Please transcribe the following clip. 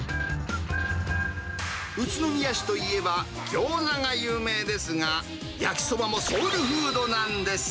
宇都宮市といえばギョーザが有名ですが、焼きそばもソウルフードなんです。